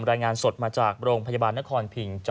รายงานสดมาจากโรงพยาบาลนครพิง